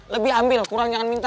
lebih ambil kurang jangan minta